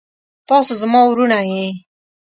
تاسو زما وروڼه يې.